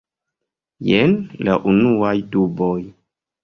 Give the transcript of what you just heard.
Jen la unuaj duboj.